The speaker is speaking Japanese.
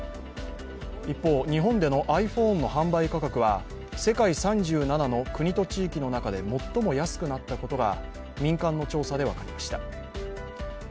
一方、日本でのｉＰｈｏｎｅの販売価格は世界３７の国と地域の中で最も安くなったことが民間の調査で分かりました。